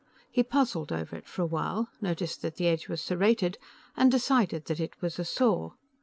He puzzled over it for a while, noticed that the edge was serrated, and decided that it was a saw.